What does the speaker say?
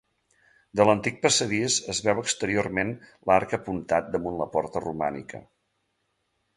De l'antic passadís es veu exteriorment l'arc apuntat damunt la porta romànica.